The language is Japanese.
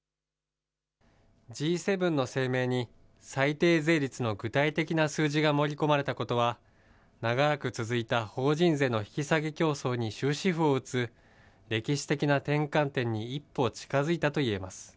Ｇ７の声明に、最低税率の具体的な数字が盛り込まれたことは、長らく続いた法人税の引き下げ競争に終止符を打つ、歴史的な転換点に一歩近づいたといえます。